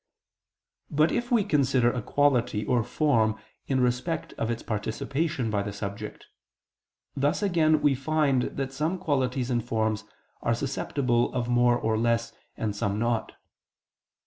But if we consider a quality or form in respect of its participation by the subject, thus again we find that some qualities and forms are susceptible of more or less, and some not.